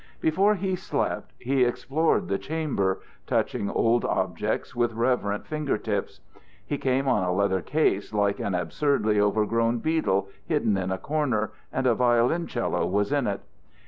Before he slept he explored the chamber, touching old objects with reverent finger tips. He came on a leather case like an absurdly overgrown beetle, hidden in a corner, and a violoncello was in it.